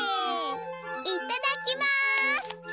いただきます！